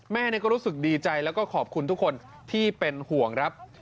แม่ก็รู้สึกดีใจแล้วก็ขอบคุณทุกคนที่เป็นห่วงครับ